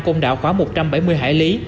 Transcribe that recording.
côn đảo khoảng một trăm bảy mươi hải lý